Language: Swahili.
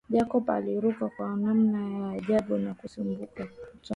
Jacob aliruka kwa namna ya ajabu na kujisukuma ukutani